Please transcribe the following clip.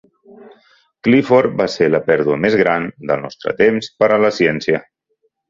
Clifford va ser "la pèrdua més gran del nostre temps per a la ciència".